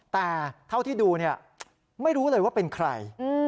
แต่เท่าที่ดูเนี่ยไม่รู้เลยว่าเป็นใคร